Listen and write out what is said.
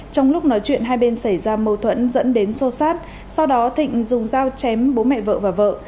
trong lúc nói chuyện hai bên xảy ra mâu thuẫn dẫn đến sô sát sau đó thịnh dùng dao chém bố mẹ vợ và vợ